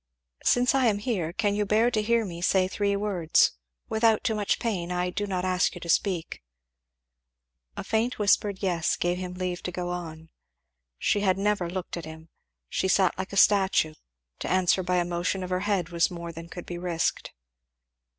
"Since I am here, can you bear to hear me say three words? without too much pain? I do not ask you to speak" A faint whispered "yes" gave him leave to go on. She had never looked at him. She sat like a statue; to answer by a motion of her head was more than could be risked.